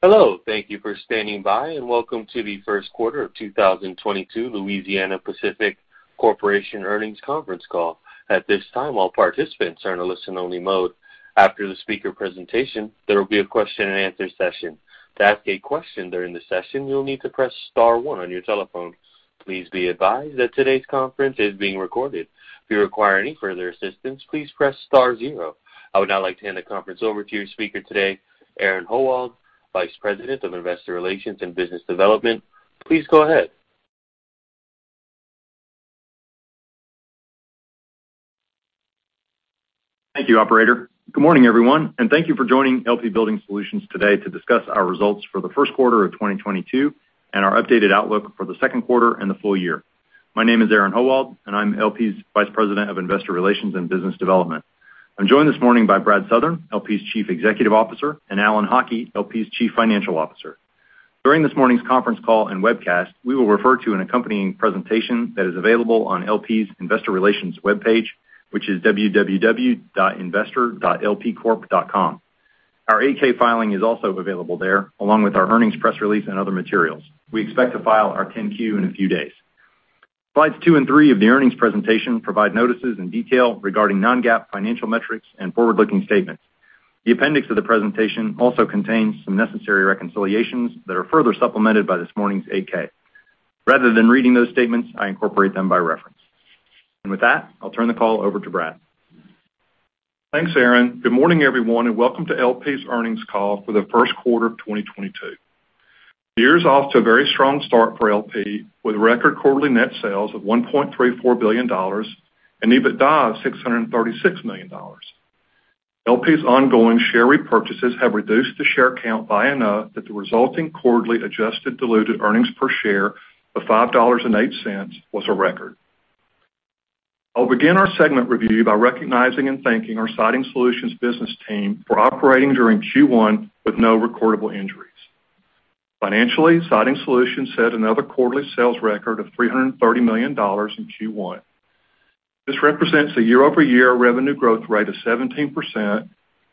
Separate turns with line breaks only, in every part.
Hello, thank you for standing by, and welcome to the first quarter of 2022 Louisiana-Pacific Corporation Earnings Conference Call. At this time, all participants are in a listen-only mode. After the speaker presentation, there will be a question and answer session. To ask a question during the session, you'll need to press star one on your telephone. Please be advised that today's conference is being recorded. If you require any further assistance, please press star zero. I would now like to hand the conference over to your speaker today, Aaron Howald, Vice President of Investor Relations and Business Development. Please go ahead.
Thank you, operator. Good morning, everyone, and thank you for joining LP Building Solutions today to discuss our results for the first quarter of 2022 and our updated outlook for the second quarter and the full year. My name is Aaron Howald, and I'm LP's Vice President of Investor Relations and Business Development. I'm joined this morning by Brad Southern, LP's Chief Executive Officer, and Alan Haughie, LP's Chief Financial Officer. During this morning's conference call and webcast, we will refer to an accompanying presentation that is available on LP's investor relations webpage, which is www.investor.lpcorp.com. Our 8-K filing is also available there, along with our earnings press release and other materials. We expect to file our 10-Q in a few days. Slides two and three of the earnings presentation provide notices and detail regarding non-GAAP financial metrics, and forward-looking statements. The appendix of the presentation also contains some necessary reconciliations that are further supplemented by this morning's 8-K. Rather than reading those statements, I incorporate them by reference. With that, I'll turn the call over to Brad.
Thanks, Aaron. Good morning, everyone, and welcome to LP's earnings call for the first quarter of 2022. The year is off to a very strong start for LP with record quarterly net sales of $1.34 billion and EBITDA of $636 million. LP's ongoing share repurchases have reduced the share count by enough that the resulting quarterly adjusted diluted earnings per share of $5.08 was a record. I'll begin our segment review by recognizing and thanking our Siding Solutions business team for operating during Q1 with no recordable injuries. Financially, Siding Solutions set another quarterly sales record of $330 million in Q1. This represents a year-over-year revenue growth rate of 17%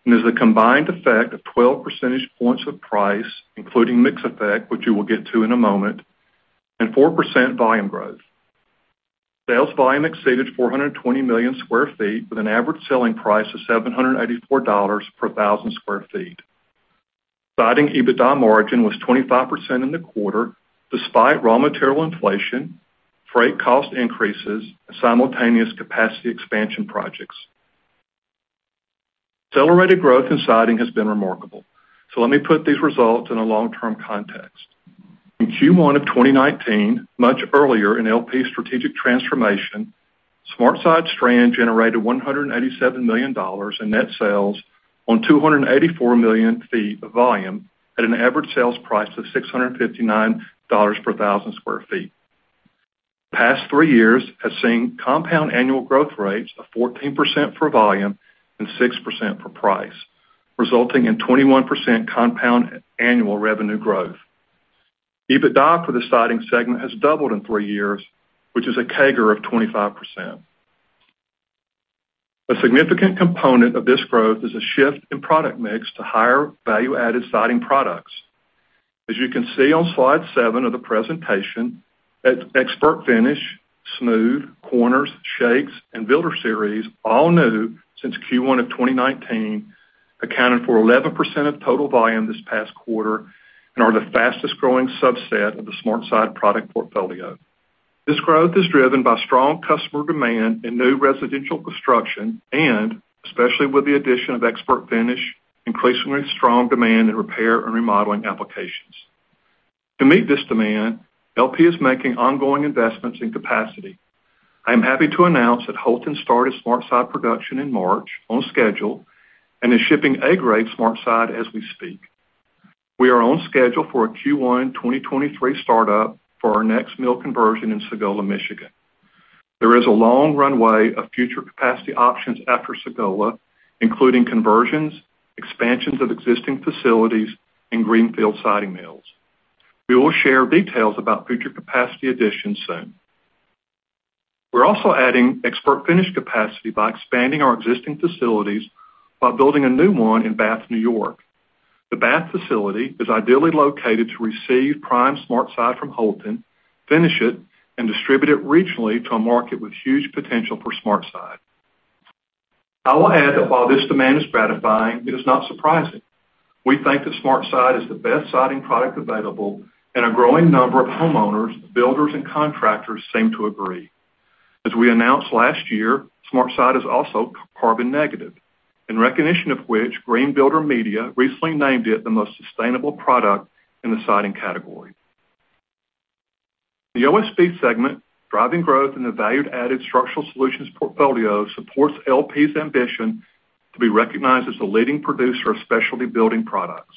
and is a combined effect of 12 percentage points of price, including mix effect, which you will get to in a moment, and 4% volume growth. Sales volume exceeded 420 million sq ft with an average selling price of $784 per thousand sq ft. Siding EBITDA margin was 25% in the quarter despite raw material inflation, freight cost increases, and simultaneous capacity expansion projects. Accelerated growth in Siding has been remarkable, so let me put these results in a long-term context. In Q1 of 2019, much earlier in LP's strategic transformation, SmartSide Strand generated $187 million in net sales on 284 million sq ft of volume at an average sales price of $659 per thousand sq ft. The past three years has seen compound annual growth rates of 14% for volume and 6% for price, resulting in 21% compound annual revenue growth. EBITDA for the Siding segment has doubled in three years, which is a CAGR of 25%. A significant component of this growth is a shift in product mix to higher value-added siding products. As you can see on slide seven of the presentation, ExpertFinish, Smooth, Outside Corners, Shakes, and LP Builder Series, all new since Q1 of 2019, accounted for 11% of total volume this past quarter and are the fastest-growing subset of the SmartSide product portfolio. This growth is driven by strong customer demand in new residential construction and, especially with the addition of ExpertFinish, increasingly strong demand in repair and remodeling applications. To meet this demand, LP is making ongoing investments in capacity. I am happy to announce that Houlton started SmartSide production in March on schedule and is shipping A-grade SmartSide as we speak. We are on schedule for a Q1 2023 startup for our next mill conversion in Sagola, Michigan. There is a long runway of future capacity options after Sagola, including conversions, expansions of existing facilities, and greenfield siding mills. We will share details about future capacity additions soon. We're also adding ExpertFinish capacity by expanding our existing facilities while building a new one in Bath, New York. The Bath facility is ideally located to receive prime SmartSide from Houlton, finish it, and distribute it regionally to a market with huge potential for SmartSide. I will add that while this demand is gratifying, it is not surprising. We think that SmartSide is the best siding product available, and a growing number of homeowners, builders, and contractors seem to agree. As we announced last year, SmartSide is also carbon negative, in recognition of which Green Builder Media recently named it the most sustainable product in the siding category. The OSB segment, driving growth in the value added Structural Solutions portfolio, supports LP's ambition to be recognized as the leading producer of specialty building products.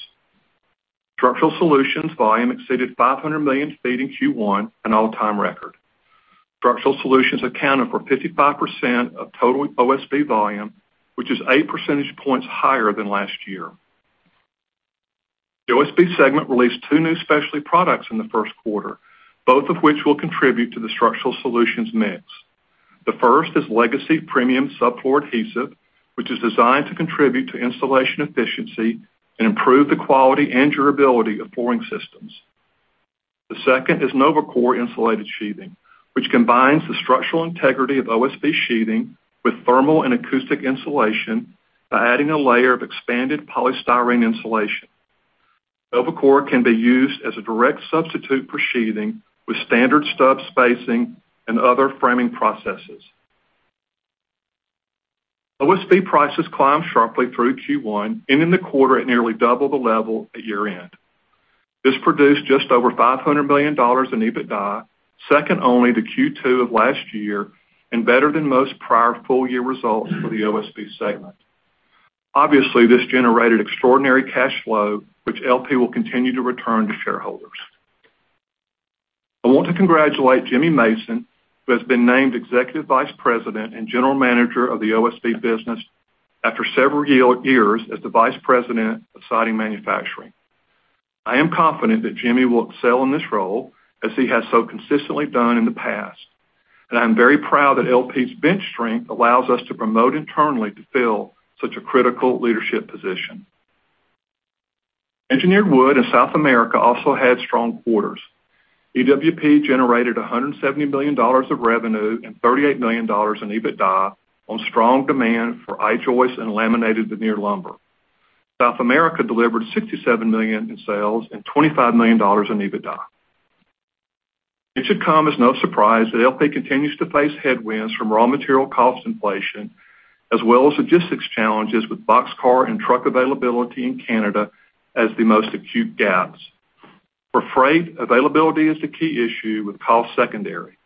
Structural Solutions volume exceeded 500 million feet in Q1, an all-time record. Structural Solutions accounted for 55% of total OSB volume, which is 8 percentage points higher than last year. The OSB segment released two new specialty products in the first quarter, both of which will contribute to the Structural Solutions mix. The first is Legacy Premium Sub-Floor Adhesive, which is designed to contribute to installation efficiency and improve the quality and durability of flooring systems. The second is NovaCore Insulated Sheathing, which combines the structural integrity of OSB sheathing with thermal and acoustic insulation by adding a layer of expanded polystyrene insulation. NovaCore can be used as a direct substitute for sheathing with standard stud spacing and other framing processes. OSB prices climbed sharply through Q1, ending the quarter at nearly double the level at year-end. This produced just over $500 million in EBITDA, second only to Q2 of last year and better than most prior full-year results for the OSB segment. Obviously, this generated extraordinary cash flow, which LP will continue to return to shareholders. I want to congratulate Jimmy Mason, who has been named Executive Vice President and General Manager of the OSB business after several years as the Vice President of Siding Manufacturing. I am confident that Jimmy will excel in this role as he has so consistently done in the past, and I am very proud that LP's bench strength allows us to promote internally to fill such a critical leadership position. Engineered Wood in South America also had strong quarters. EWP generated $170 million of revenue and $38 million in EBITDA on strong demand for I-joist and Laminated Veneer Lumber. South America delivered $67 million in sales and $25 million in EBITDA. It should come as no surprise that LP continues to face headwinds from raw material cost inflation as well as logistics challenges with boxcar and truck availability in Canada as the most acute gaps. For freight, availability is the key issue with cost secondary.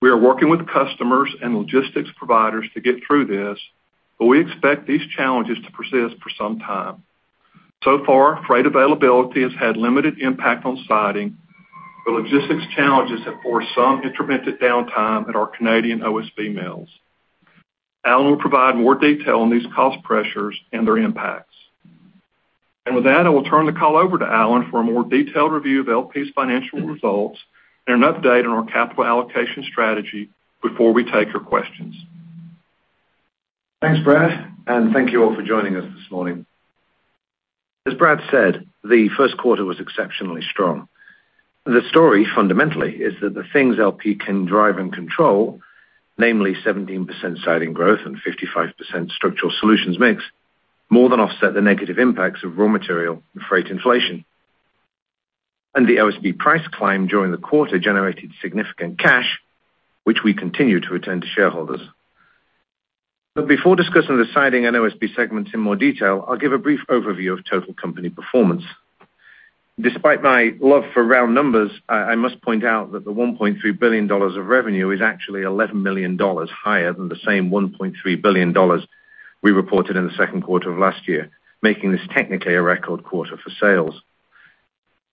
We are working with customers and logistics providers to get through this, but we expect these challenges to persist for some time. So far, freight availability has had limited impact on siding, but logistics challenges have forced some intermittent downtime at our Canadian OSB mills. Alan will provide more detail on these cost pressures and their impacts. With that, I will turn the call over to Alan for a more detailed review of LP's financial results and an update on our capital allocation strategy before we take your questions.
Thanks, Brad, and thank you all for joining us this morning. As Brad said, the first quarter was exceptionally strong. The story fundamentally is that the things LP can drive and control, namely 17% siding growth and 55% structural solutions mix, more than offset the negative impacts of raw material and freight inflation. The OSB price climb during the quarter generated significant cash, which we continue to return to shareholders. Before discussing the siding and OSB segments in more detail, I'll give a brief overview of total company performance. Despite my love for round numbers, I must point out that the $1.3 billion of revenue is actually $11 million higher than the same $1.3 billion we reported in the second quarter of last year, making this technically a record quarter for sales.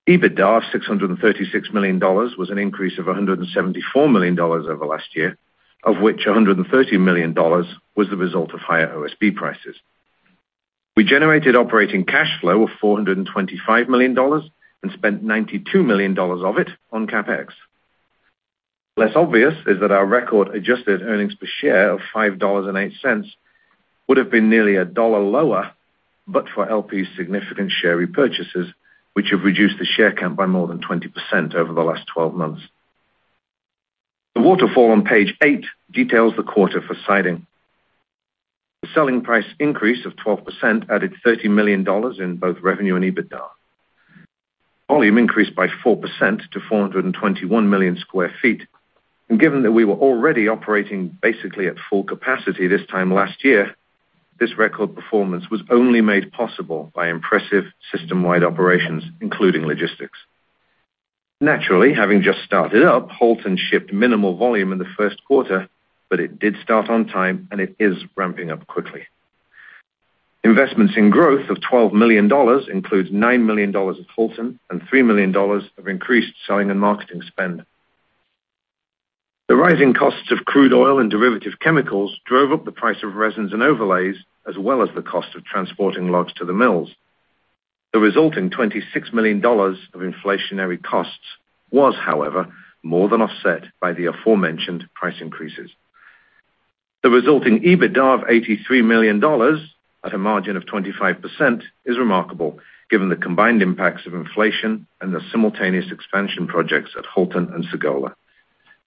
EBITDA of $636 million was an increase of $174 million over last year, of which $130 million was the result of higher OSB prices. We generated operating cash flow of $425 million and spent $92 million of it on CapEx. Less obvious is that our record adjusted earnings per share of $5.08 would have been nearly a dollar lower, but for LP's significant share repurchases, which have reduced the share count by more than 20% over the last twelve months. The waterfall on Page eight details the quarter for siding. The selling price increase of 12% added $30 million in both revenue and EBITDA. Volume increased by 4% to 421 million sq ft, and given that we were already operating basically at full capacity this time last year, this record performance was only made possible by impressive system-wide operations, including logistics. Naturally, having just started up, Houlton shipped minimal volume in the first quarter, but it did start on time, and it is ramping up quickly. Investments in growth of $12 million includes $9 million of Houlton and $3 million of increased selling and marketing spend. The rising costs of crude oil and derivative chemicals drove up the price of resins and overlays, as well as the cost of transporting logs to the mills. The resulting $26 million of inflationary costs was, however, more than offset by the aforementioned price increases. The resulting EBITDA of $83 million at a margin of 25% is remarkable given the combined impacts of inflation and the simultaneous expansion projects at Houlton and Sagola.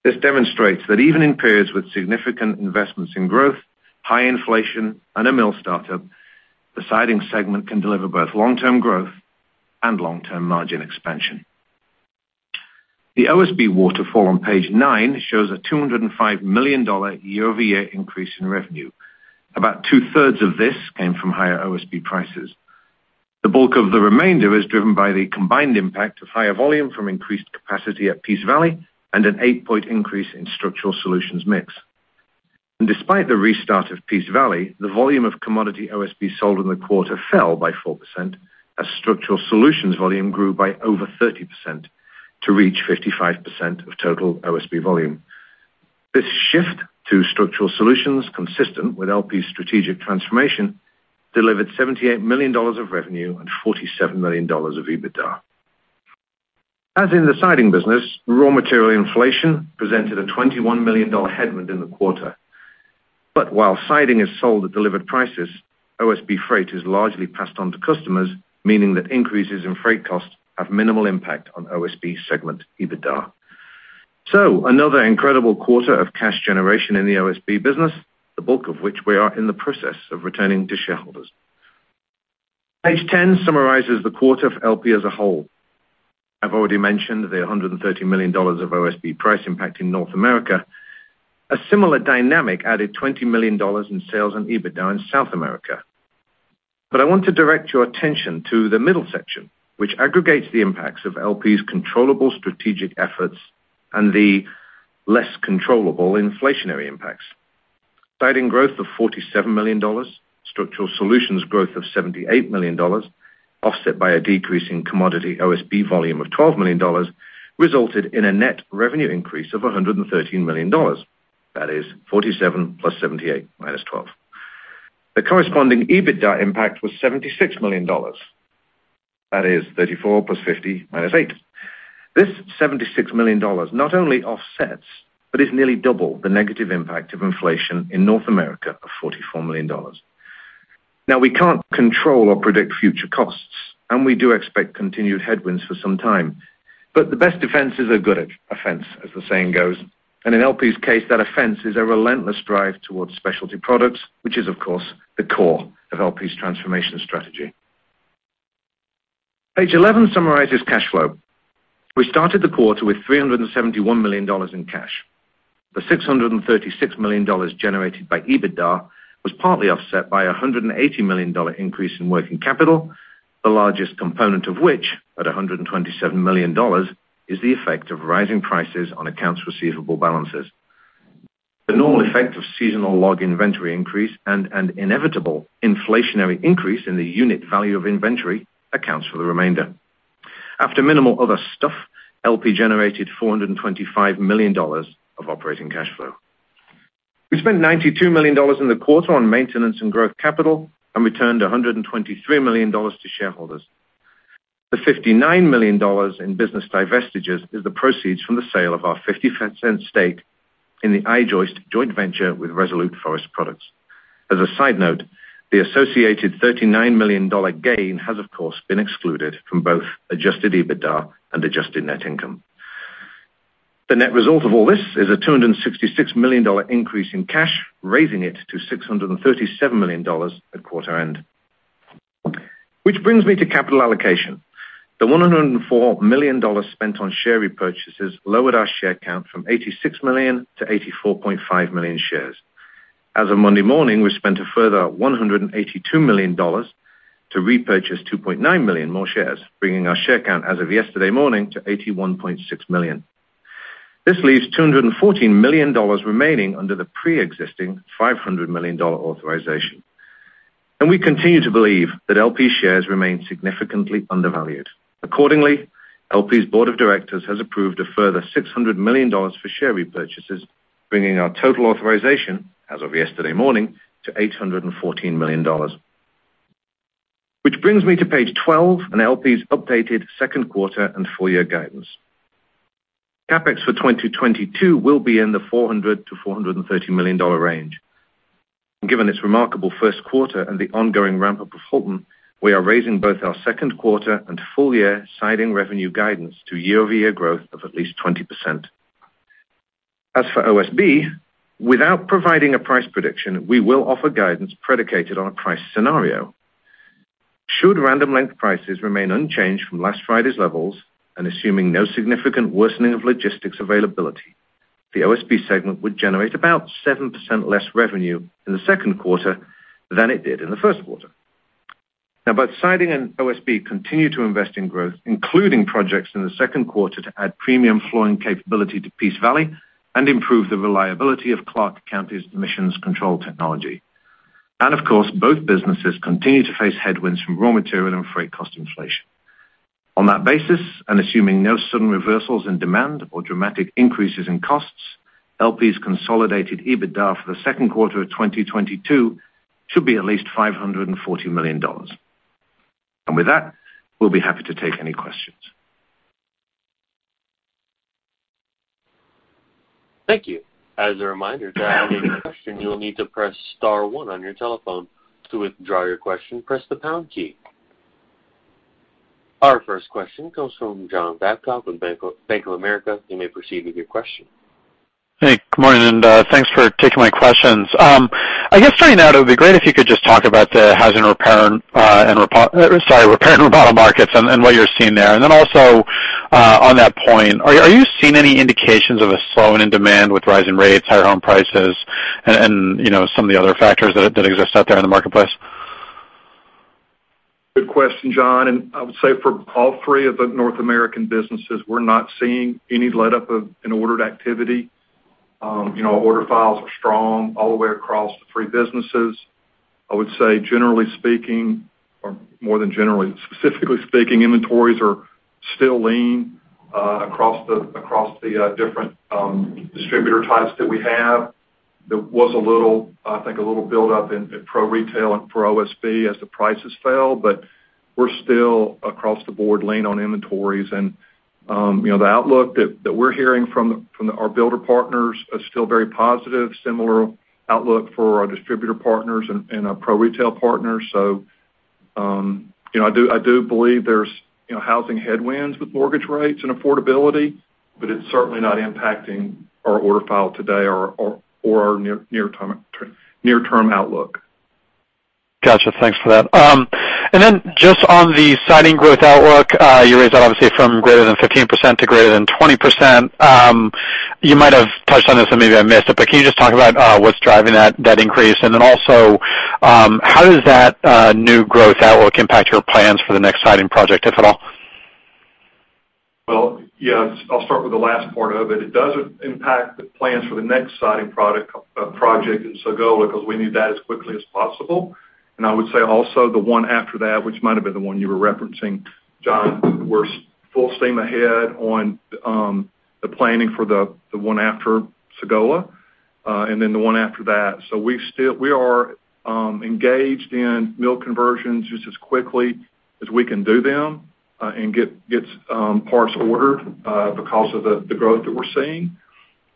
This demonstrates that even in periods with significant investments in growth, high inflation, and a mill startup, the siding segment can deliver both long-term growth and long-term margin expansion. The OSB waterfall on Page nine shows a $205 million year-over-year increase in revenue. About two-thirds of this came from higher OSB prices. The bulk of the remainder is driven by the combined impact of higher volume from increased capacity at Peace Valley and an 8-point increase in structural solutions mix. Despite the restart of Peace Valley, the volume of commodity OSB sold in the quarter fell by 4% as structural solutions volume grew by over 30% to reach 55% of total OSB volume. This shift to structural solutions, consistent with LP's strategic transformation, delivered $78 million of revenue and $47 million of EBITDA. As in the siding business, raw material inflation presented a $21 million headwind in the quarter. While siding is sold at delivered prices, OSB freight is largely passed on to customers, meaning that increases in freight costs have minimal impact on OSB segment EBITDA. Another incredible quarter of cash generation in the OSB business, the bulk of which we are in the process of returning to shareholders. Page 10 summarizes the quarter for LP as a whole. I've already mentioned the $130 million of OSB price impact in North America. A similar dynamic added $20 million in sales and EBITDA in South America. I want to direct your attention to the middle section, which aggregates the impacts of LP's controllable strategic efforts and the less controllable inflationary impacts. Siding growth of $47 million, structural solutions growth of $78 million, offset by a decrease in commodity OSB volume of $12 million, resulted in a net revenue increase of $113 million. That is 47 + 78 - 12. The corresponding EBITDA impact was $76 million. That is 34 + 50 - 8. This $76 million not only offsets, but is nearly double the negative impact of inflation in North America of $44 million. Now, we can't control or predict future costs, and we do expect continued headwinds for some time. The best defense is a good offense, as the saying goes. In LP's case, that offense is a relentless drive towards specialty products, which is of course, the core of LP's transformation strategy. Page 11 summarizes cash flow. We started the quarter with $371 million in cash. The $636 million generated by EBITDA was partly offset by a $180 million increase in working capital, the largest component of which, at $127 million, is the effect of rising prices on accounts receivable balances. The normal effect of seasonal log inventory increase and an inevitable inflationary increase in the unit value of inventory accounts for the remainder. After minimal other stuff, LP generated $425 million of operating cash flow. We spent $92 million in the quarter on maintenance and growth capital and returned $123 million to shareholders. The $59 million in business divestitures is the proceeds from the sale of our 50% stake in the I-joist joint venture with Resolute Forest Products. As a side note, the associated $39 million gain has of course been excluded from both adjusted EBITDA and adjusted net income. The net result of all this is a $266 million increase in cash, raising it to $637 million at quarter end. Which brings me to capital allocation. The $104 million spent on share repurchases lowered our share count from 86 million to 84.5 million shares. As of Monday morning, we spent a further $182 million to repurchase 2.9 million more shares, bringing our share count as of yesterday morning to 81.6 million. This leaves $214 million remaining under the pre-existing $500 million authorization. We continue to believe that LP shares remain significantly undervalued. Accordingly, LP's board of directors has approved a further $600 million for share repurchases, bringing our total authorization as of yesterday morning to $814 million. Which brings me to page 12 and LP's updated second quarter and full year guidance. CapEx for 2022 will be in the $400-$430 million range. Given this remarkable first quarter and the ongoing ramp-up of Houlton, we are raising both our second quarter and full year siding revenue guidance to year-over-year growth of at least 20%. As for OSB, without providing a price prediction, we will offer guidance predicated on a price scenario. Should Random Lengths prices remain unchanged from last Friday's levels and assuming no significant worsening of logistics availability, the OSB segment would generate about 7% less revenue in the second quarter than it did in the first quarter. Now, both Siding and OSB continue to invest in growth, including projects in the second quarter to add premium flooring capability to Peace Valley and improve the reliability of Clark County's emissions control technology. Of course, both businesses continue to face headwinds from raw material and freight cost inflation. On that basis, and assuming no sudden reversals in demand or dramatic increases in costs, LP's consolidated EBITDA for the second quarter of 2022 should be at least $540 million. With that, we'll be happy to take any questions.
Thank you. As a reminder, to ask a question, you will need to press star one on your telephone. To withdraw your question, press the pound key. Our first question comes from John Babcock with Bank of America. You may proceed with your question.
Hey, good morning, and thanks for taking my questions. I guess starting out, it would be great if you could just talk about the housing repair and remodel markets and what you're seeing there. Also, on that point, are you seeing any indications of a slowing in demand with rising rates, higher home prices and you know, some of the other factors that exist out there in the marketplace?
Good question, John. I would say for all three of the North American businesses, we're not seeing any letup in ordered activity. You know, order files are strong all the way across the three businesses. I would say generally speaking, or more than generally, specifically speaking, inventories are still lean across the different distributor types that we have.
There was a little, I think, a little buildup in pro retail and for OSB as the prices fell, but we're still across the board lean on inventories. You know, the outlook that we're hearing from our builder partners are still very positive, similar outlook for our distributor partners and our pro retail partners. You know, I do believe there's you know, housing headwinds with mortgage rates and affordability, but it's certainly not impacting our order file today or our near-term outlook.
Gotcha. Thanks for that. Just on the siding growth outlook, you raised that obviously from greater than 15% to greater than 20%. You might have touched on this, or maybe I missed it, but can you just talk about what's driving that increase? How does that new growth outlook impact your plans for the next siding project, if at all?
Well, yes, I'll start with the last part of it. It doesn't impact the plans for the next siding product project in Sagola, because we need that as quickly as possible. I would say also the one after that, which might have been the one you were referencing, John. We're full steam ahead on the planning for the one after Sagola, and then the one after that. We are engaged in mill conversions just as quickly as we can do them, and get parts ordered, because of the growth that we're seeing.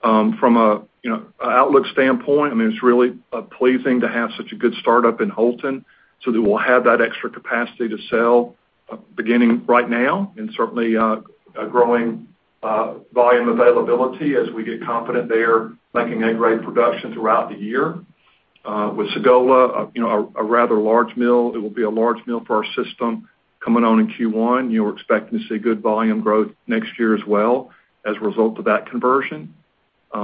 From a you know a outlook standpoint, I mean, it's really pleasing to have such a good startup in Houlton so that we'll have that extra capacity to sell beginning right now and certainly a growing volume availability as we get confident they are making A grade production throughout the year. With Sagola, you know, a rather large mill, it will be a large mill for our system coming on in Q1. You know, we're expecting to see good volume growth next year as well as a result of that conversion. You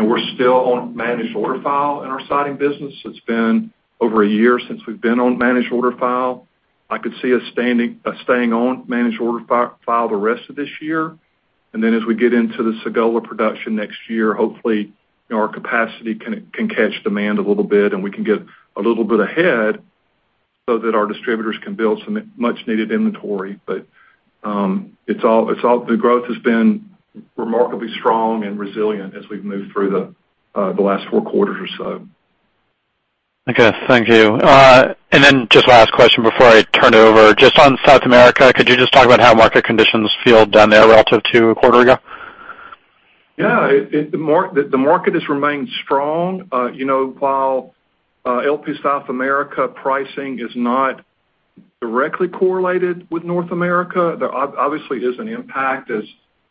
know, we're still on managed order file in our siding business. It's been over a year since we've been on managed order file. I could see us staying on managed order file the rest of this year. Then as we get into the Sagola production next year, hopefully, you know, our capacity can catch demand a little bit and we can get a little bit ahead so that our distributors can build some much needed inventory. But it's all. The growth has been remarkably strong and resilient as we've moved through the last four quarters or so.
Okay, thank you. Just last question before I turn it over. Just on South America, could you just talk about how market conditions feel down there relative to a quarter ago?
Yeah. The market has remained strong. You know, while LP South America pricing is not directly correlated with North America, there obviously is an impact as,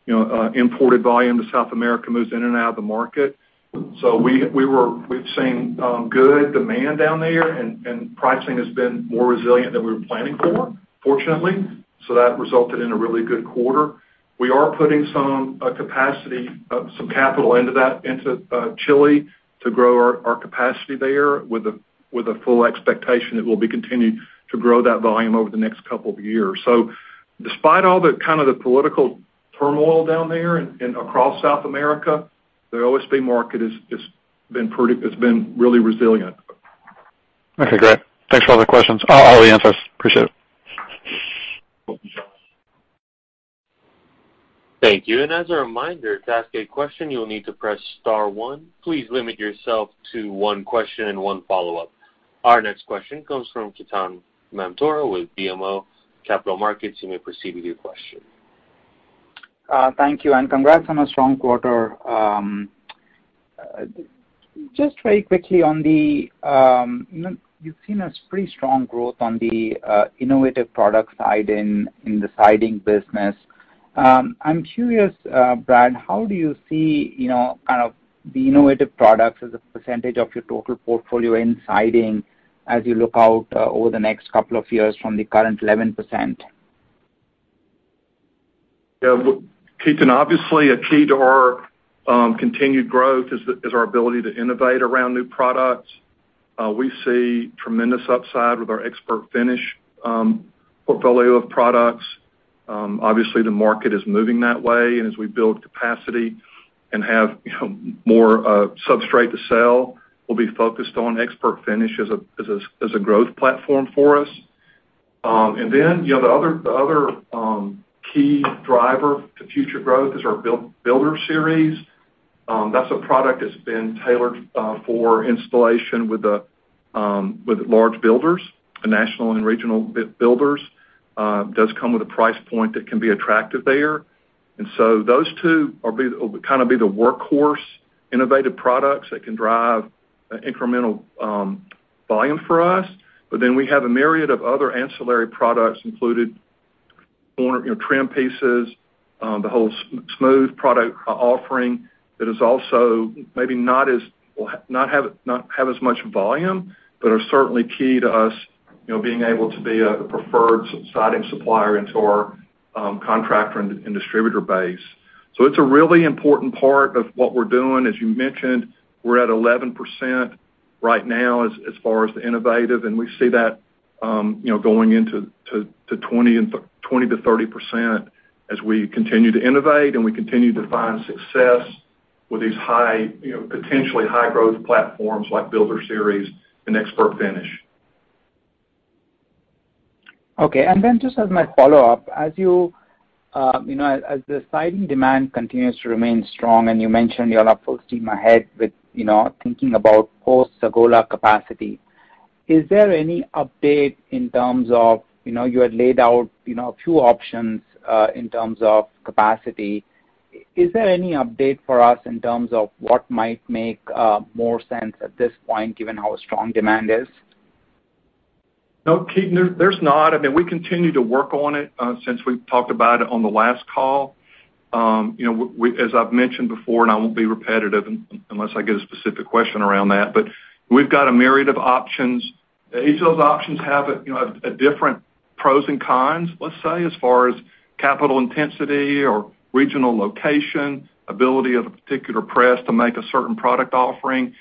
you know, imported volume to South America moves in and out of the market. We've seen good demand down there and pricing has been more resilient than we were planning for, fortunately. That resulted in a really good quarter. We are putting some capacity, some capital into Chile to grow our capacity there with a full expectation it will be continued to grow that volume over the next couple of years. Despite all the kind of the political turmoil down there and across South America, the OSB market has been really resilient.
Okay, great. Thanks for all the questions, all the answers. Appreciate it.
Welcome, John.
Thank you. As a reminder, to ask a question, you will need to press star one. Please limit yourself to one question and one follow-up. Our next question comes from Ketan Mamtora with BMO Capital Markets. You may proceed with your question.
Thank you, and congrats on a strong quarter. Just very quickly on the, you've seen a pretty strong growth on the innovative product side in the siding business. I'm curious, Brad, how do you see, you know, kind of the innovative products as a percentage of your total portfolio in siding as you look out over the next couple of years from the current 11%?
Yeah, look, Ketan, obviously, a key to our continued growth is our ability to innovate around new products. We see tremendous upside with our ExpertFinish portfolio of products. Obviously, the market is moving that way, and as we build capacity and have, you know, more substrate to sell, we'll be focused on ExpertFinish as a growth platform for us. Then, you know, the other key driver to future growth is our LP Builder Series. That's a product that's been tailored for installation with large builders, the national and regional builders. Does come with a price point that can be attractive there. Those two will kind of be the workhorse innovative products that can drive incremental volume for us. We have a myriad of other ancillary products, including more, you know, trim pieces, the whole Smooth product offering that is also maybe not as, or not have as much volume, but are certainly key to us, you know, being able to be a preferred siding supplier into our contractor and distributor base. It's a really important part of what we're doing. As you mentioned, we're at 11% right now as far as the innovative, and we see that, you know, going into 20%-30% as we continue to innovate and we continue to find success with these high, you know, potentially high-growth platforms like Builder Series and ExpertFinish.
Okay. Just as my follow-up, as you know, as the siding demand continues to remain strong, and you mentioned you're now full steam ahead with, you know, thinking about post Sagola capacity, is there any update in terms of, you know, you had laid out, you know, a few options, in terms of capacity? Is there any update for us in terms of what might make more sense at this point given how strong demand is?
No, Ketan, there's not. I mean, we continue to work on it since we've talked about it on the last call. You know, as I've mentioned before, and I won't be repetitive unless I get a specific question around that, but we've got a myriad of options. Each of those options have a, you know, a different pros and cons, let's say, as far as capital intensity or regional location, ability of a particular press to make a certain product offering.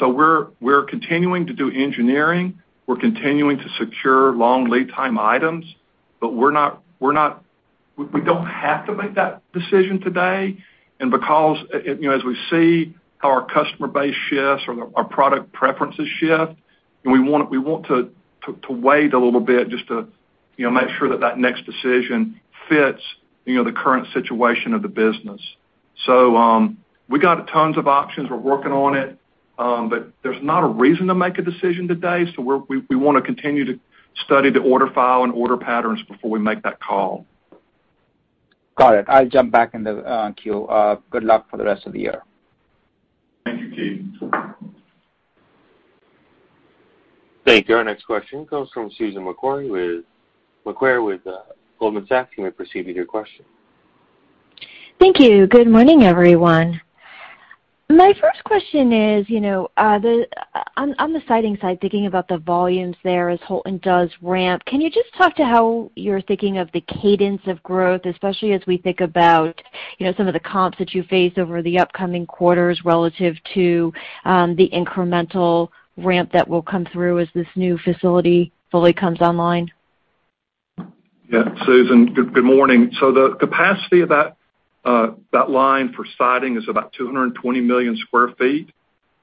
We're continuing to do engineering, we're continuing to secure long lead time items, but we don't have to make that decision today. Because it, you know, as we see how our customer base shifts or our product preferences shift, and we want to wait a little bit just to, you know, make sure that next decision fits, you know, the current situation of the business. We got tons of options. We're working on it, but there's not a reason to make a decision today, we wanna continue to study the order file and order patterns before we make that call.
Got it. I'll jump back in the queue. Good luck for the rest of the year.
Thank you, Ketan.
Thank you. Our next question comes from Susan Maklari with Goldman Sachs. You may proceed with your question.
Thank you. Good morning, everyone. My first question is, you know, on the siding side, thinking about the volumes there as Houlton does ramp, can you just talk to how you're thinking of the cadence of growth, especially as we think about, you know, some of the comps that you face over the upcoming quarters relative to the incremental ramp that will come through as this new facility fully comes online?
Yeah. Susan, good morning. The capacity of that line for siding is about 220 million sq ft.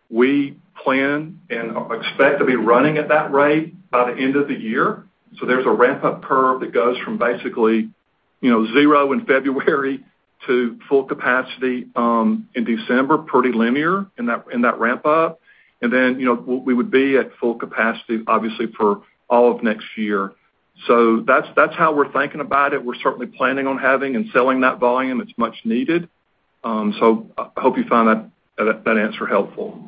We plan and expect to be running at that rate by the end of the year. There's a ramp-up curve that goes from basically, you know, zero in February to full capacity in December, pretty linear in that ramp up. Then, you know, we would be at full capacity obviously for all of next year. That's how we're thinking about it. We're certainly planning on having and selling that volume. It's much needed. I hope you find that answer helpful.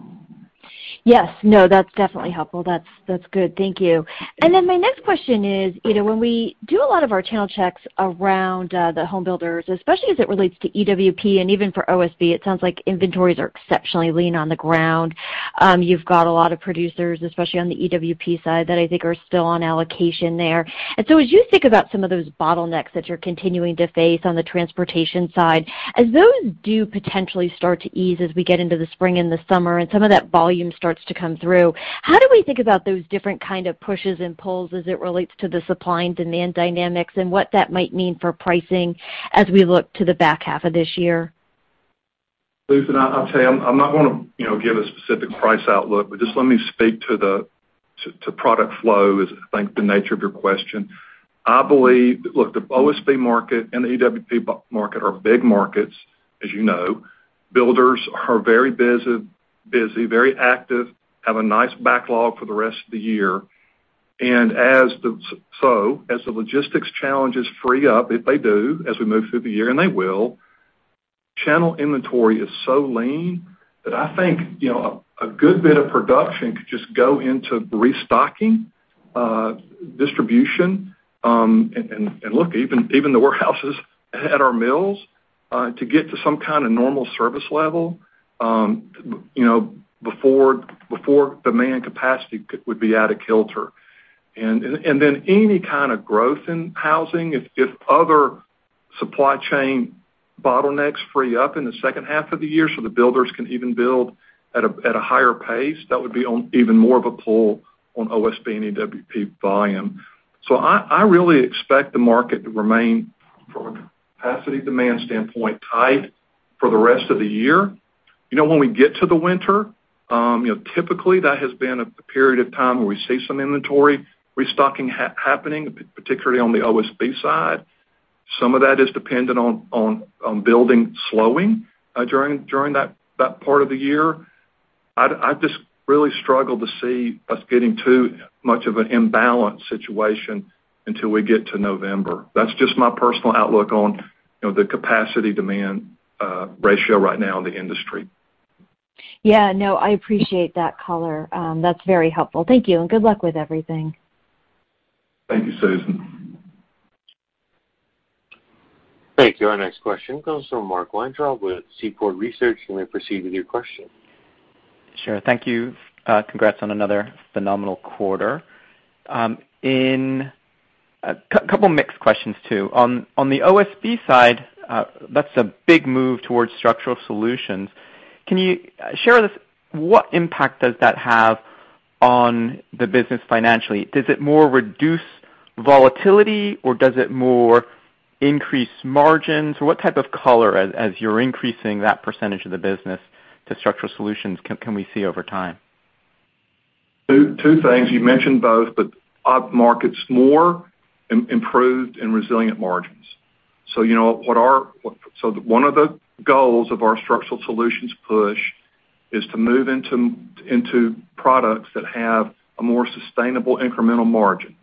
Yes. No, that's definitely helpful. That's good. Thank you. My next question is, you know, when we do a lot of our channel checks around the home builders, especially as it relates to EWP and even for OSB, it sounds like inventories are exceptionally lean on the ground. You've got a lot of producers, especially on the EWP side, that I think are still on allocation there. As you think about some of those bottlenecks that you're continuing to face on the transportation side, as those do potentially start to ease as we get into the spring and the summer and some of that volume starts to come through, how do we think about those different kind of pushes and pulls as it relates to the supply and demand dynamics and what that might mean for pricing as we look to the back half of this year?
Susan, I'll tell you, I'm not gonna, you know, give a specific price outlook, but just let me speak to the product flow is I think the nature of your question. I believe. Look, the OSB market and the EWP market are big markets, as you know. Builders are very busy, very active, have a nice backlog for the rest of the year. So as the logistics challenges free up, if they do, as we move through the year, and they will, channel inventory is so lean that I think, you know, a good bit of production could just go into restocking, distribution, and look, even the warehouses at our mills, to get to some kind of normal service level, you know, before demand capacity would be out of kilter. Then any kind of growth in housing, if other supply chain bottlenecks free up in the second half of the year, so the builders can even build at a higher pace, that would be on even more of a pull on OSB and EWP volume. I really expect the market to remain, from a capacity demand standpoint, tight for the rest of the year. You know, when we get to the winter, you know, typically that has been a period of time where we see some inventory restocking happening, particularly on the OSB side. Some of that is dependent on building slowing during that part of the year. I just really struggle to see us getting too much of an imbalance situation until we get to November. That's just my personal outlook on, you know, the capacity demand ratio right now in the industry.
Yeah. No, I appreciate that color. That's very helpful. Thank you, and good luck with everything.
Thank you, Susan.
Thank you. Our next question comes from Mark Weintraub with Seaport Research. You may proceed with your question.
Sure. Thank you. Congrats on another phenomenal quarter. A couple mixed questions, too. On the OSB side, that's a big move towards structural solutions. Can you share with us what impact does that have on the business financially? Does it more reduce volatility, or does it more increase margins? What type of color, as you're increasing that percentage of the business to structural solutions, can we see over time?
Two things. You mentioned both, but up markets more improved and resilient margins. One of the goals of our structural solutions push is to move into products that have a more sustainable incremental margin.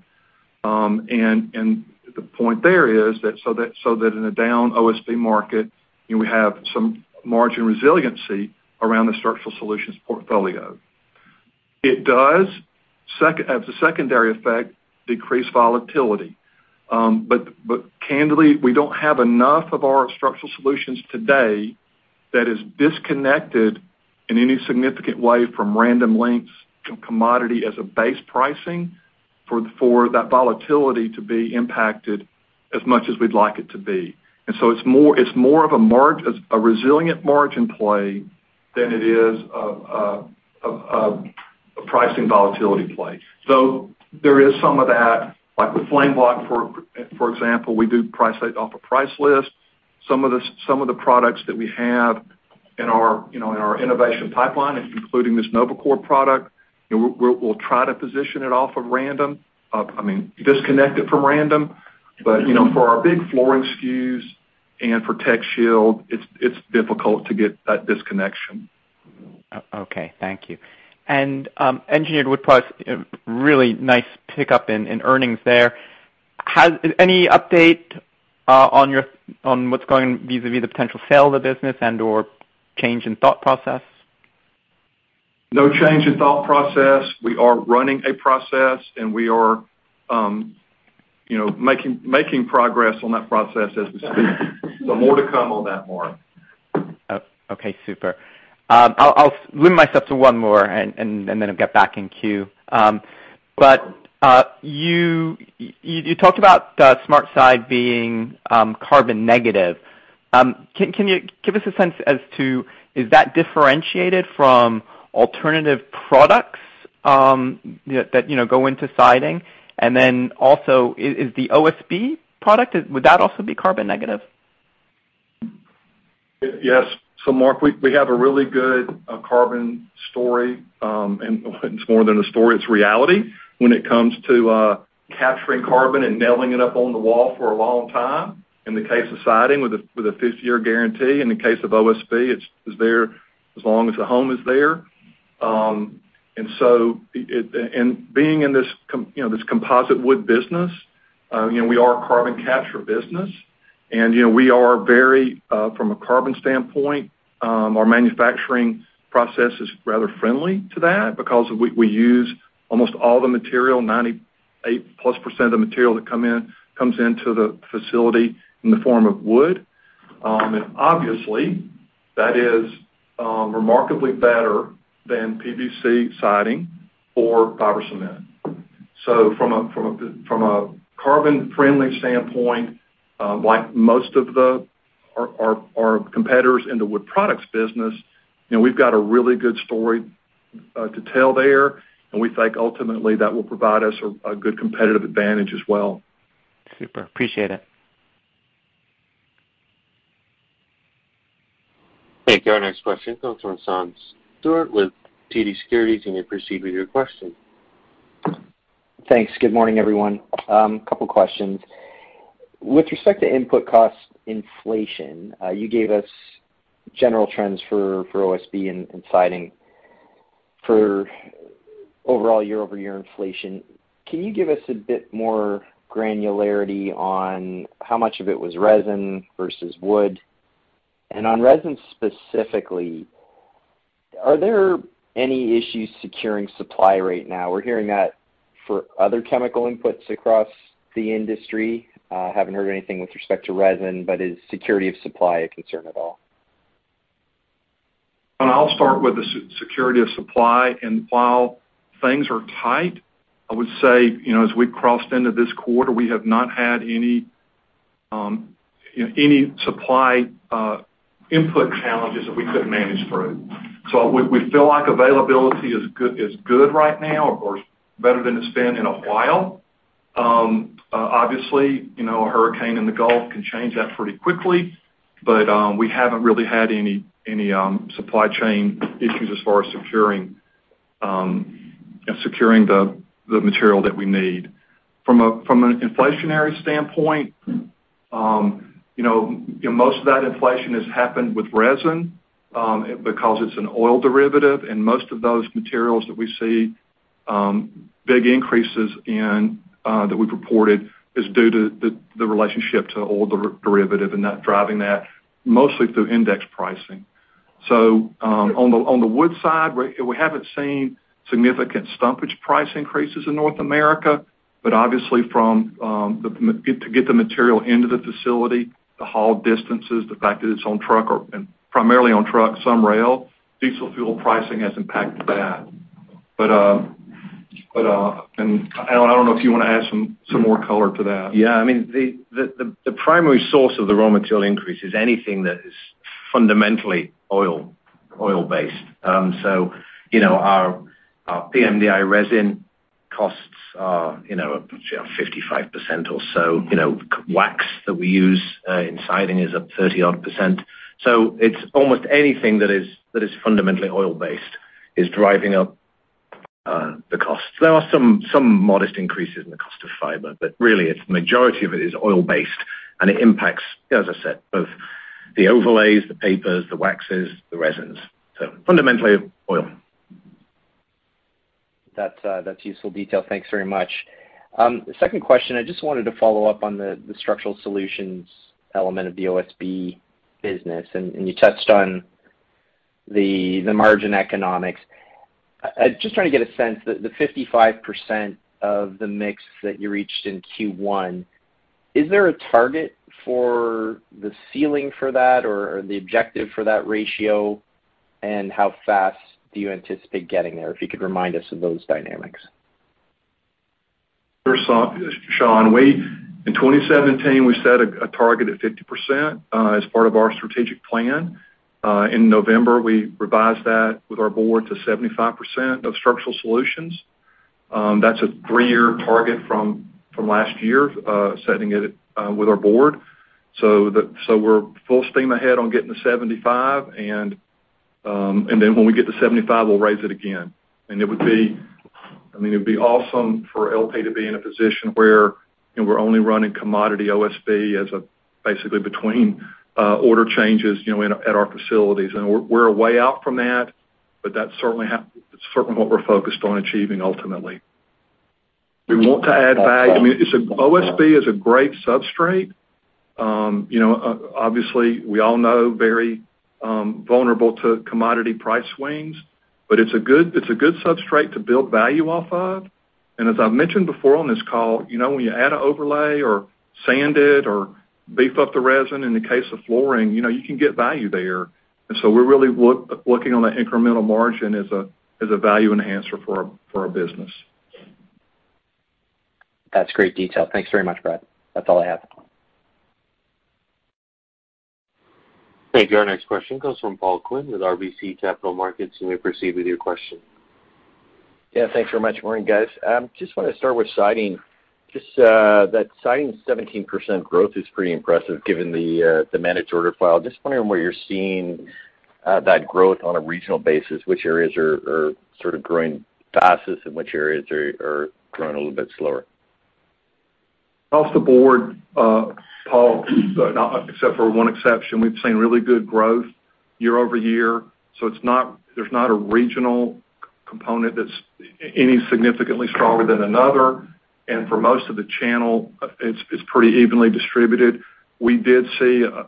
And the point there is that, so that in a down OSB market, you know, we have some margin resiliency around the structural solutions portfolio. It acts as a secondary effect, decrease volatility. But candidly, we don't have enough of our structural solutions today that is disconnected in any significant way from Random Lengths to commodity as a base pricing for that volatility to be impacted as much as we'd like it to be. It's more of a resilient margin play than it is of a pricing volatility play. There is some of that, like with FlameBlock, for example, we do price it off a price list. Some of the products that we have in our, you know, in our innovation pipeline, including this NovaCore product, you know, we'll try to position it off of Random Lengths. I mean, disconnect it from Random Lengths. You know, for our big flooring SKUs and for TechShield, it's difficult to get that disconnection.
Okay. Thank you. Engineered wood plus, really nice pickup in earnings there. Any update on what's going on vis-à-vis the potential sale of the business and/or change in thought process?
No change in thought process. We are running a process, and we are, you know, making progress on that process as we speak. More to come on that, Mark.
Okay, super. I'll limit myself to one more and then I'll get back in queue. You talked about the SmartSide being carbon negative. Can you give us a sense as to is that differentiated from alternative products that you know go into siding? Also, is the OSB product, would that also be carbon negative?
Yes. Mark, we have a really good carbon story, and it's more than a story, it's reality when it comes to capturing carbon and nailing it up on the wall for a long time. In the case of siding, with a 50-year guarantee, in the case of OSB, it's there as long as the home is there. Being in this composite wood business, you know, we are a carbon capture business. You know, we are very from a carbon standpoint, our manufacturing process is rather friendly to that because we use almost all the material, 98+% of material that come in, comes into the facility in the form of wood. Obviously, that is remarkably better than PVC siding or fiber cement. From a carbon friendly standpoint, like most of our competitors in the wood products business, you know, we've got a really good story to tell there, and we think ultimately that will provide us a good competitive advantage as well.
Super. Appreciate it.
Thank you. Our next question comes from Sean Steuart with TD Securities. You may proceed with your question.
Thanks. Good morning, everyone. Couple questions. With respect to input cost inflation, you gave us general trends for OSB and siding for overall year-over-year inflation. Can you give us a bit more granularity on how much of it was resin versus wood? And on resin specifically, are there any issues securing supply right now? We're hearing that for other chemical inputs across the industry. Haven't heard anything with respect to resin, but is security of supply a concern at all?
I'll start with the security of supply. While things are tight, I would say, you know, as we crossed into this quarter, we have not had any supply input challenges that we couldn't manage through. So we feel like availability is good right now or better than it's been in a while. Obviously, you know, a hurricane in the Gulf can change that pretty quickly, but we haven't really had any supply chain issues as far as securing the material that we need. From an inflationary standpoint, you know, most of that inflation has happened with resin, because it's an oil derivative, and most of those materials that we see big increases in that we've reported is due to the relationship to oil derivative and that driving that mostly through index pricing. On the wood side, we haven't seen significant stumpage price increases in North America, but obviously to get the material into the facility, the haul distances, the fact that it's primarily on truck, some rail, diesel fuel pricing has impacted that. Alan, I don't know if you wanna add some more color to that.
Yeah. I mean, the primary source of the raw material increase is anything that is fundamentally oil based. So, you know, our PMDI resin Costs are, you know, up to 55% or so. You know, wax that we use in siding is up 30-odd%. It's almost anything that is fundamentally oil-based is driving up the cost. There are some modest increases in the cost of fiber, but really, it's the majority of it is oil-based, and it impacts, as I said, both the overlays, the papers, the waxes, the resins. Fundamentally oil.
That's useful detail. Thanks very much. The second question, I just wanted to follow up on the structural solutions element of the OSB business, and you touched on the margin economics. Just trying to get a sense, the 55% of the mix that you reached in Q1, is there a target for the ceiling for that or the objective for that ratio? How fast do you anticipate getting there? If you could remind us of those dynamics.
Sure, Sean. In 2017, we set a target of 50% as part of our strategic plan. In November, we revised that with our board to 75% of Structural Solutions. That's a three-year target from last year, setting it with our board. We're full steam ahead on getting to 75% and then when we get to 75%, we'll raise it again. It would be, I mean, it'd be awesome for LP to be in a position where, you know, we're only running commodity OSB as basically between order changes, you know, at our facilities. We're a way out from that, but that's certainly what we're focused on achieving ultimately. We want to add value. I mean, OSB is a great substrate. You know, obviously we all know very vulnerable to commodity price swings, but it's a good substrate to build value off of. As I've mentioned before on this call, you know, when you add an overlay or sand it or beef up the resin in the case of flooring, you know, you can get value there. We're really looking on the incremental margin as a value enhancer for our business.
That's great detail. Thanks very much, Brad. That's all I have.
Thank you. Our next question comes from Paul Quinn with RBC Capital Markets. You may proceed with your question.
Yeah, thanks very much. Morning, guys. Just wanna start with siding. Just, that siding 17% growth is pretty impressive given the managed order file. Just wondering where you're seeing that growth on a regional basis, which areas are sort of growing fastest and which areas are growing a little bit slower.
Across the board, Paul, except for one exception, we've seen really good growth year-over-year. There's not a regional component that's any significantly stronger than another. For most of the channel, it's pretty evenly distributed. We did see a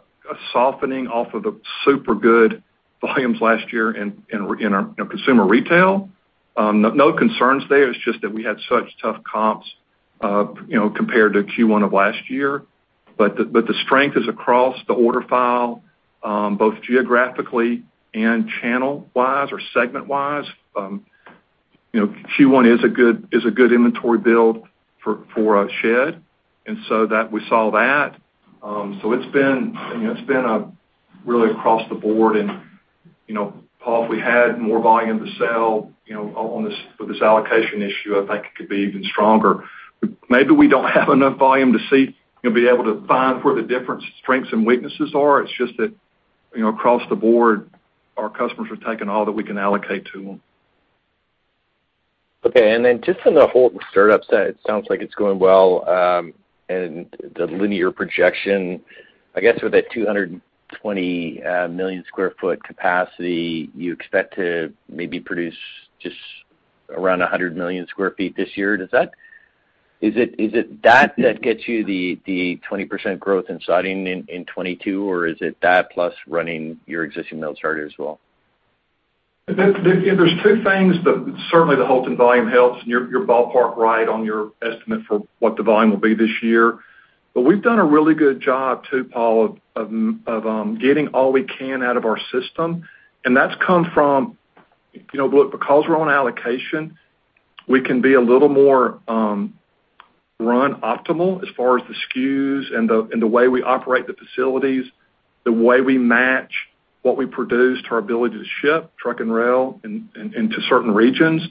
softening off of the super good volumes last year in our, you know, consumer retail. No concerns there. It's just that we had such tough comps, you know, compared to Q1 of last year. The strength is across the order file, both geographically and channel-wise or segment-wise. You know, Q1 is a good inventory build for a shed, so that we saw that. It's been, you know, really across the board. You know, Paul, if we had more volume to sell, you know, on this with this allocation issue, I think it could be even stronger. Maybe we don't have enough volume to see, you know, be able to find where the different strengths and weaknesses are. It's just that, you know, across the board, our customers are taking all that we can allocate to them.
Okay. Then just on the Houlton startups, it sounds like it's going well, and the linear projection, I guess, with that 220 million sq ft capacity, you expect to maybe produce just around 100 million sq ft this year. Is it that gets you the 20% growth in siding in 2022, or is it that plus running your existing mills harder as well?
There's two things, but certainly the Houlton volume helps, and you're ballpark right on your estimate for what the volume will be this year. We've done a really good job too, Paul, of getting all we can out of our system, and that's come from you know, look, because we're on allocation, we can run a little more optimally as far as the SKUs and the way we operate the facilities, the way we match what we produce to our ability to ship truck and rail into certain regions.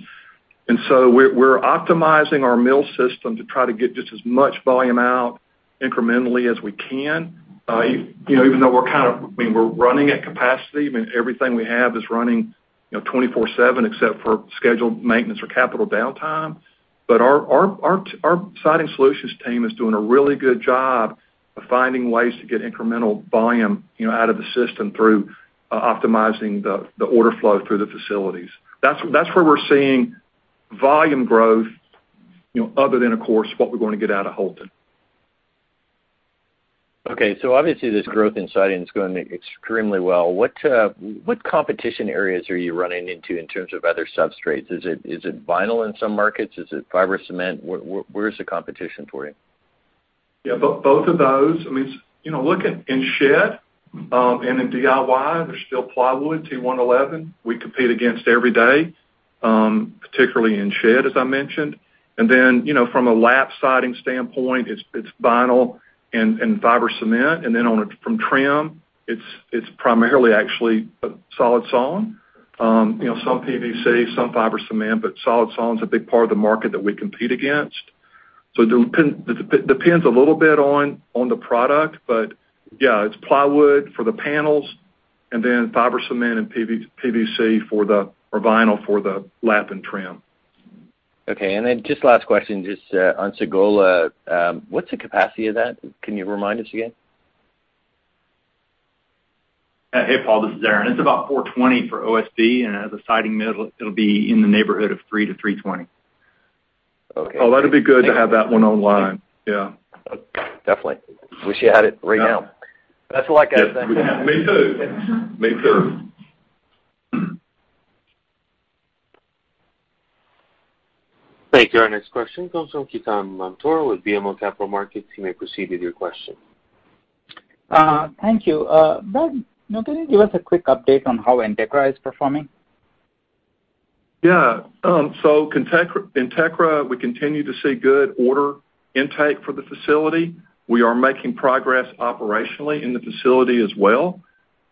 We're optimizing our mill system to try to get just as much volume out incrementally as we can. You know, even though we're kind of, I mean, we're running at capacity. I mean, everything we have is running, you know, 24/7 except for scheduled maintenance or capital downtime. Our Siding Solutions team is doing a really good job of finding ways to get incremental volume, you know, out of the system through optimizing the order flow through the facilities. That's where we're seeing volume growth, you know, other than, of course, what we're gonna get out of Houlton.
Okay. Obviously this growth in siding is going extremely well. What competition areas are you running into in terms of other substrates? Is it vinyl in some markets? Is it fiber cement? Where is the competition for you?
Yeah, both of those. I mean, you know, look in shed and in DIY, there's still plywood, T1-11 we compete against every day, particularly in shed, as I mentioned. Then, you know, from a lap siding standpoint, it's vinyl and fiber cement. Then from trim, it's primarily actually a solid sawn. You know, some PVC, some fiber cement, but solid sawn's a big part of the market that we compete against. It depends a little bit on the product, but yeah, it's plywood for the panels and then fiber cement and PVC, or vinyl for the lap and trim.
Okay. Just last question, just, on Sagola. What's the capacity of that? Can you remind us again?
Hey, Paul, this is Aaron. It's about $420 for OSB, and as a siding mill, it'll be in the neighborhood of $300-$320.
Okay.
Oh, that'll be good to have that one online. Yeah.
Definitely. Wish you had it right now.
That's all I got.
Me too. Me too.
Thank you. Our next question comes from Ketan Mamtora with BMO Capital Markets. You may proceed with your question.
Thank you. Brad, can you give us a quick update on how Entekra is performing?
Yeah. Entekra, we continue to see good order intake for the facility. We are making progress operationally in the facility as well,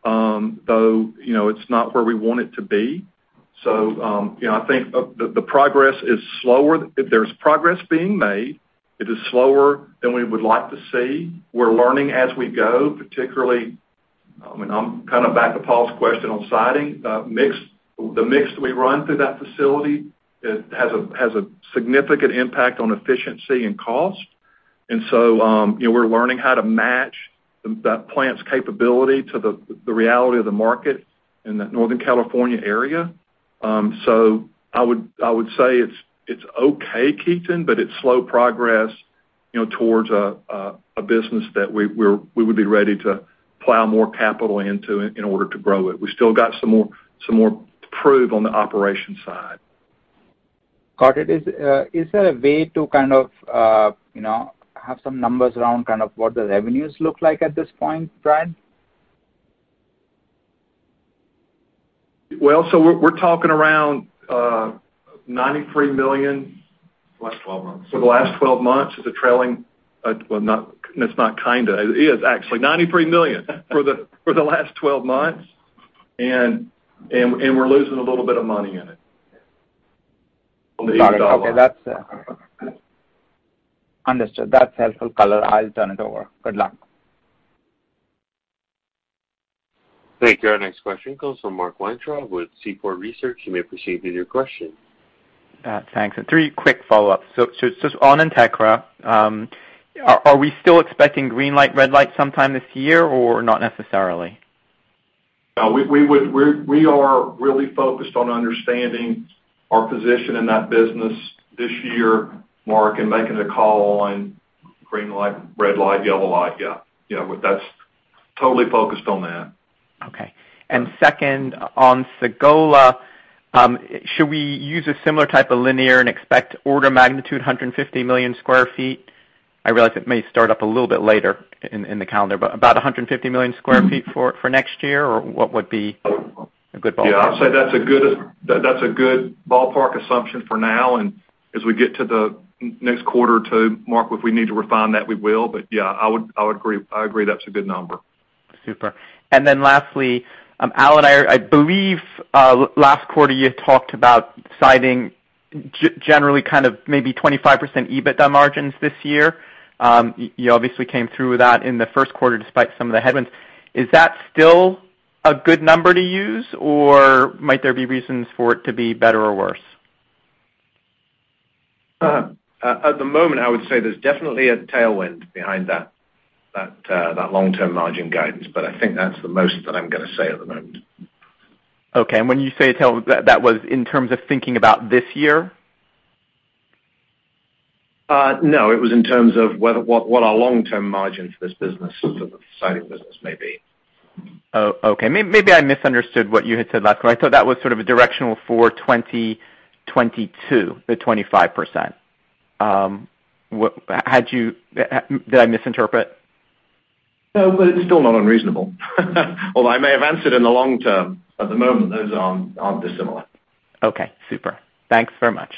though, you know, it's not where we want it to be. I think the progress is slower. There's progress being made. It is slower than we would like to see. We're learning as we go, particularly, I mean, I'm kind of back to Paul's question on siding. The mix we run through that facility has a significant impact on efficiency and cost. We're learning how to match that plant's capability to the reality of the market in that Northern California area. I would say it's okay, Ketan, but it's slow progress, you know, towards a business that we would be ready to plow more capital into in order to grow it. We still got some more to prove on the operations side.
Got it. Is there a way to kind of, you know, have some numbers around kind of what the revenues look like at this point, Brad?
We're talking around $93 million-
For the last 12 months.
For the last 12 months as a trailing. $93 million for the last 12 months, and we're losing a little bit of money in it.
Got it. Okay, that's Understood. That's helpful color. I'll turn it over. Good luck.
Thank you. Our next question comes from Mark Weintraub with Seaport Research. You may proceed with your question.
Thanks. Three quick follow-ups. On Entekra, are we still expecting green light, red light sometime this year, or not necessarily?
No, we are really focused on understanding our position in that business this year, Mark, and making a call on green light, red light, yellow light, yeah. Yeah, but that's totally focused on that.
Okay. Second, on Sagola, should we use a similar type of line run and expect order of magnitude 150 million sq ft? I realize it may start up a little bit later in the calendar, but about 150 million sq ft for next year, or what would be a good ballpark?
Yeah, I'd say that's a good ballpark assumption for now. As we get to the next quarter or two, Mark, if we need to refine that, we will. Yeah, I would agree. I agree that's a good number.
Super. Lastly, Alan, I believe last quarter you had talked about guiding generally kind of maybe 25% EBITDA margins this year. You obviously came through with that in the first quarter despite some of the headwinds. Is that still a good number to use, or might there be reasons for it to be better or worse?
At the moment, I would say there's definitely a tailwind behind that long-term margin guidance, but I think that's the most that I'm gonna say at the moment.
Okay. That was in terms of thinking about this year?
No, it was in terms of what our long-term margin for this business, for the siding business may be.
Oh, okay. Maybe I misunderstood what you had said last quarter. I thought that was sort of a directional for 2022, the 25%. Did I misinterpret?
No, it's still not unreasonable. Although I may have answered in the long term, at the moment, those aren't dissimilar.
Okay, super. Thanks very much.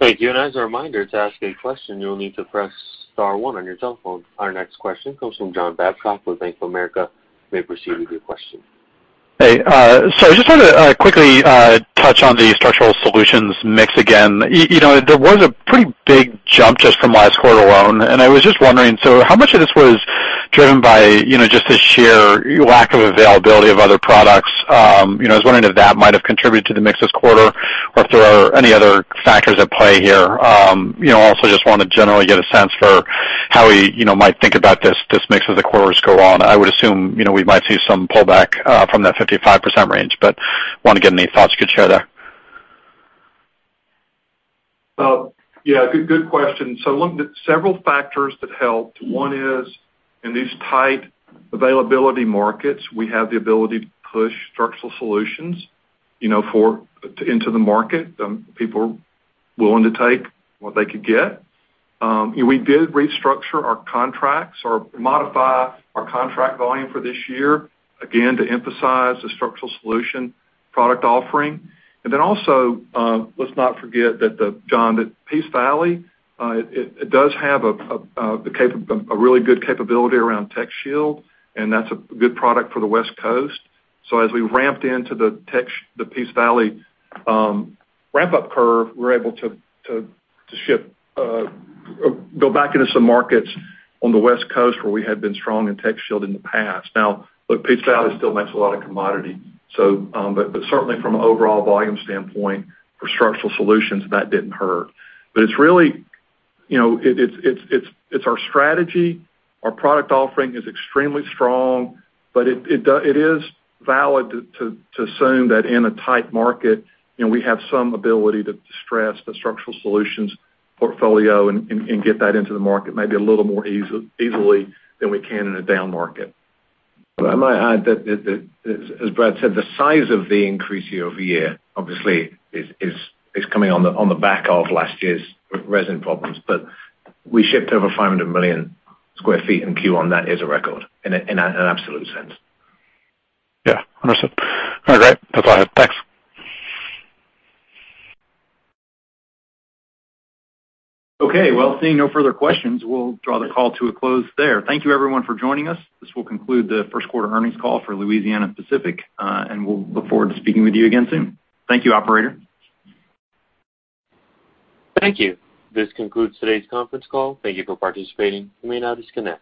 Thank you. As a reminder, to ask a question, you'll need to press star one on your telephone. Our next question comes from John Babcock with Bank of America. You may proceed with your question.
Hey. I just wanted to quickly touch on the Structural Solutions mix again. You know, there was a pretty big jump just from last quarter alone, and I was just wondering, so how much of this was driven by, you know, just the sheer lack of availability of other products? You know, I was wondering if that might have contributed to the mix this quarter or if there are any other factors at play here. You know, also just want to generally get a sense for how we, you know, might think about this mix as the quarters go on. I would assume, you know, we might see some pullback from that 55% range, but want to get any thoughts you could share there.
Well, yeah, good question. Look, the several factors that helped, one is in these tight availability markets, we have the ability to push structural solutions, you know, into the market, people willing to take what they could get. We did restructure our contracts or modify our contract volume for this year, again, to emphasize the structural solution product offering. Let's not forget that the, John, that Peace Valley, it does have a really good capability around TechShield, and that's a good product for the West Coast. As we ramped into the Peace Valley ramp-up curve, we're able to ship, go back into some markets on the West Coast where we had been strong in TechShield in the past. Now, look, Peace Valley still makes a lot of commodity. But certainly from an overall volume standpoint for Structural Solutions, that didn't hurt. But it's really, you know, it's our strategy. Our product offering is extremely strong, but it is valid to assume that in a tight market, you know, we have some ability to stress the Structural Solutions portfolio and get that into the market maybe a little more easily than we can in a down market.
I might add that as Brad said, the size of the increase year-over-year obviously is coming on the back of last year's resin problems. We shipped over 500 million sq ft in Q1. That is a record in an absolute sense.
Yeah. Understood. All right. That's all I have. Thanks.
Okay. Well, seeing no further questions, we'll draw the call to a close there. Thank you everyone for joining us. This will conclude the first quarter earnings call for Louisiana-Pacific, and we'll look forward to speaking with you again soon. Thank you, operator.
Thank you. This concludes today's conference call. Thank you for participating. You may now disconnect.